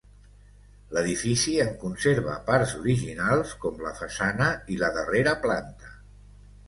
L'edifici en conserva parts originals com la façana i la darrera planta.